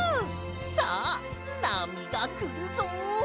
さあなみがくるぞ！